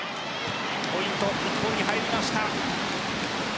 ポイント、日本に入りました。